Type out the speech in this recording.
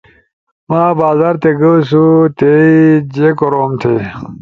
مہ بازار تھی گؤ سو، تھی جھی کوروم تھے؟